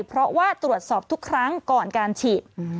เพราะว่าตรวจสอบทุกครั้งก่อนการฉีด